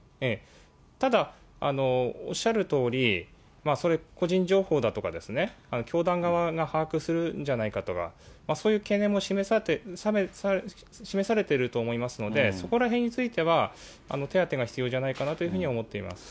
ただ、おっしゃるとおり、個人情報だとか、教団側が把握するんじゃないかとか、そういう懸念も示されてると思いますので、そこらへんについては、手当が必要じゃないかなというふうに思っています。